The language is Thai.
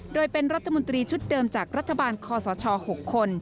โดยเป็นรัฐมนตรีชุดเดิมจากรัฐบาลคอสช๖คน